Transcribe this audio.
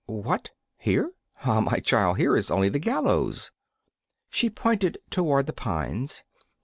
'What! here? Ah, my child, here is only the gallows.' She pointed toward the pines.